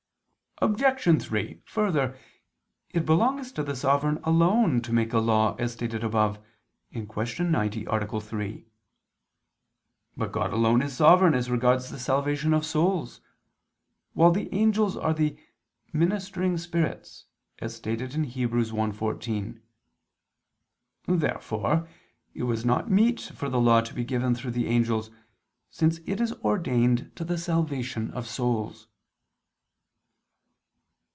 Obj. 3: Further, it belongs to the sovereign alone to make a law, as stated above (Q. 90, A. 3). But God alone is Sovereign as regards the salvation of souls: while the angels are the "ministering spirits," as stated in Heb. 1:14. Therefore it was not meet for the Law to be given through the angels, since it is ordained to the salvation of souls.